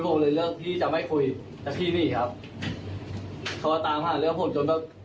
ผมเลยเลือกที่จะไม่คุยกับพี่ครับเขาก็ตามหาเรื่องผมจนแบบ